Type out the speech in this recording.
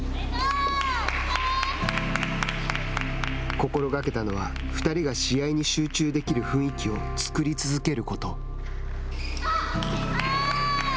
心がけたのは２人が試合に集中できる雰囲気を作り続けること。